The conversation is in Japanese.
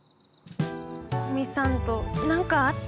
古見さんと何かあった？